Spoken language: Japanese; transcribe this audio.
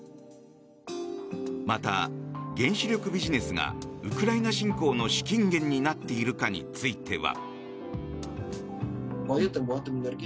また、原子力ビジネスがウクライナ侵攻の資金源になっているかについては。